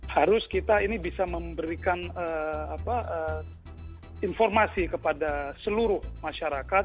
harus kita ini bisa memberikan informasi kepada seluruh masyarakat